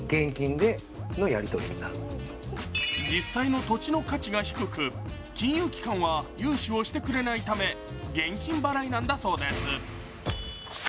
実際の土地の価値が低く金融機関は融資をしてくれないため現金払いなんだそうです。